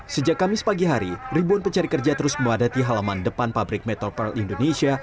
sejak kamis pagi hari ribuan pencari kerja terus memadati halaman depan pabrik metal park indonesia